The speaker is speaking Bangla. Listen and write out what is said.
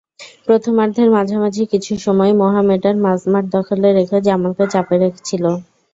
প্রথমার্ধের মাঝামাঝি কিছু সময় মোহামেডান মাঝমাঠ দখলে রেখে জামালকে চাপে রাখছিল।